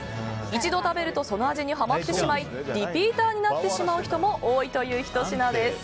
一度食べるとその味にはまってしまいリピーターになってしまう人も多いというひと品です。